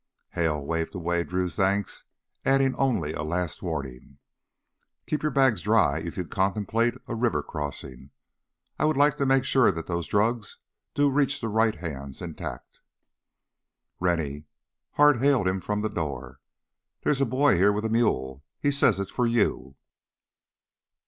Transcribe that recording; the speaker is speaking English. Hale waved away Drew's thanks, adding only a last warning: "Keep your bags dry if you contemplate a river crossing! I would like to make sure that those drugs do reach the right hands intact." "Rennie!" Hart hailed him from the door. "There's a boy here with a mule; he says it's for you."